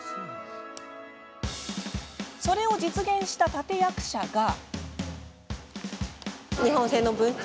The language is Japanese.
それを実現した立て役者が。